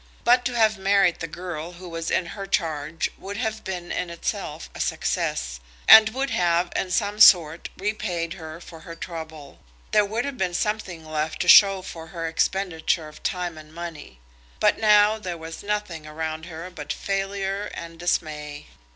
But to have married the girl who was in her charge would have been in itself a success, and would have in some sort repaid her for her trouble. There would have been something left to show for her expenditure of time and money. But now there was nothing around her but failure and dismay.